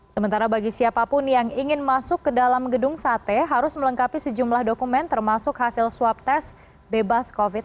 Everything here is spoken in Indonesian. sementara bagi siapapun yang ingin masuk ke dalam gedung sate harus melengkapi sejumlah dokumen termasuk hasil swab test bebas covid sembilan belas